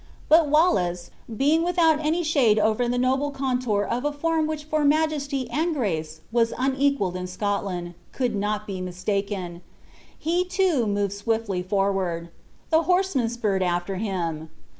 But Wallace, being without any shade over the noble contour of a form which for majesty and grace was unequaled in Scotland, could not be mistaken. He, too, moved swiftly forward. The horseman spurred after him.